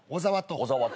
小沢と。